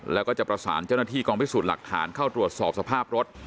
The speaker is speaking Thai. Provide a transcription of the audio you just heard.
แล้วก็จะประสานเจ้าหน้าที่กองพิสูจน์หลักฐานเข้าตรวจสอบสภาพรถ